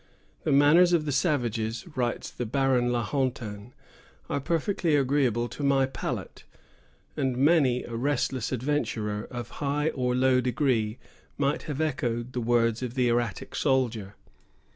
"The manners of the savages," writes the Baron La Hontan, "are perfectly agreeable to my palate;" and many a restless adventurer of high or low degree might have echoed the words of the erratic soldier.